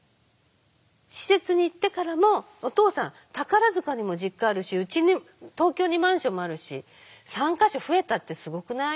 施設に行ってからも「お父さん宝塚にも実家あるしうちに東京にマンションもあるし３か所増えたってすごくない？」